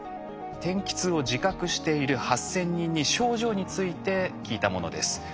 天気痛を自覚している８，０００人に症状について聞いたものです。